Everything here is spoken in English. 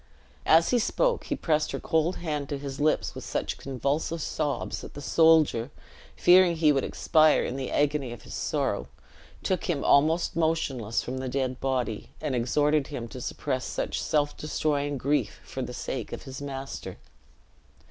As he spoke, he pressed her cold hand to his lips with such convulsive sobs that the soldier, fearing he would expire in the agony of his sorrow, took him almost motionless from the dead body, and exhorted him to suppress such self destroying grief for the sake of his master.